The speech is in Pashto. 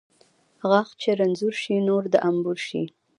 غاښ چې رنځور شي، نور د انبور شي.